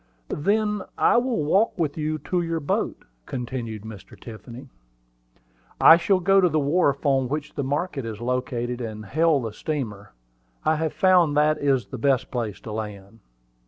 "Then I will walk with you to your boat," continued Mr. Tiffany. "I shall go to the wharf on which the market is located, and hail the steamer. I have found that is the best place to land."